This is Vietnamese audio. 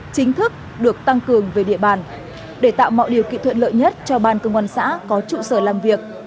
chính thức được tăng cường về địa bàn để tạo mọi điều kiện thuận lợi nhất cho ban công an xã có trụ sở làm việc